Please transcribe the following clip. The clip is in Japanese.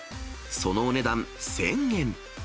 そのお値段、１０００円。